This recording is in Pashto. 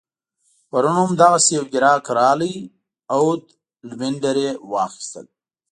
پرون هم دغسي یو ګیراک راغی عود لوینډر يې اخيستل